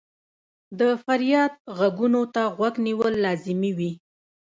د فریاد ږغونو ته غوږ نیول لازمي وي.